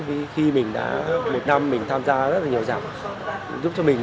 vì khi mình đã một năm mình tham gia rất là nhiều giảng